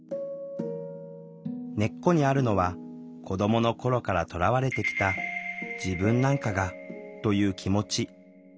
根っこにあるのは子どもの頃からとらわれてきた「自分なんかが」という気持ち。